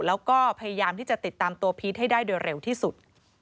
แล้วก็พยายามที่จะติดตามตัวพีชให้ได้โดยเร็วที่สุด